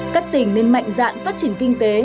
các tỉnh nên mạnh dạn phát triển kinh tế